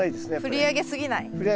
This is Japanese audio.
振り上げ過ぎない。